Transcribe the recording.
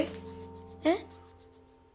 えっ？